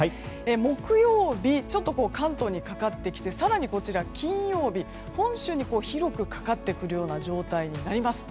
木曜日、関東にかかってきて更に金曜日、本州に広くかかってくる状況になります。